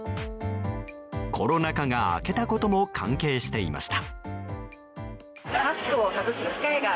コロナ禍が明けたことも関係していました。